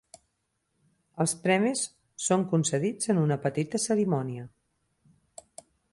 Els premis són concedits en una petita cerimònia.